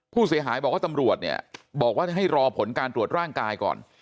ผู้เสียหายบอกว่าตำรวจเนี่ยบอกว่าจะให้รอผลการตรวจร่างกายก่อน